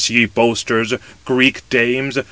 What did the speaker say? ye boasters! Greek dames!